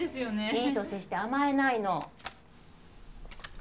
いい年して甘えないの。